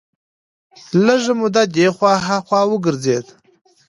لږه موده دې خوا ها خوا وګرځېد.